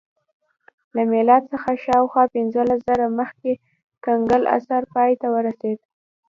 له میلاد څخه شاوخوا پنځلس زره کاله مخکې کنګل عصر پای ته ورسېد